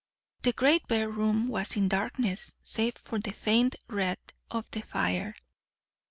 The great bare room was in darkness save for the faint red of the fire.